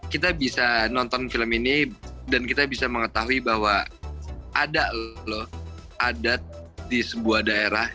kita bisa nonton film ini dan kita bisa mengetahui bahwa ada loh adat di sebuah daerah